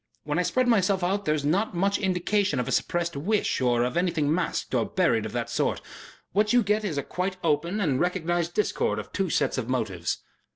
When I spread myself out there is not much indication of a suppressed wish or of anything masked or buried of that sort. What you get is a quite open and recognized discord of two sets of motives."